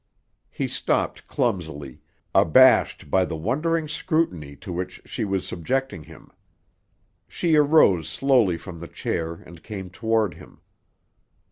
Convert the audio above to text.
He stopped clumsily, abashed by the wondering scrutiny to which she was subjecting him. She arose slowly from the chair and came toward him.